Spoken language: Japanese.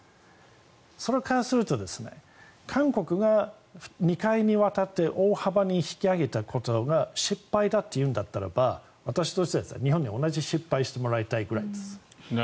それからすると韓国が２回にわたって大幅に引き上げたことが失敗だというんだったらば私としては日本に同じ失敗をしてほしいぐらいです。